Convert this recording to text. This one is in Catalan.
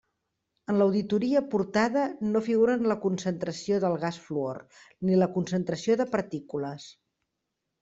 En l'auditoria aportada no figuren la concentració del gas fluor, ni la concentració de partícules.